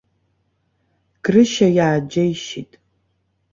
Грышьа иааџьеишьеит.